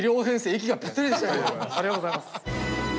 ありがとうございます。